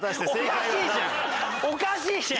おかしいじゃん。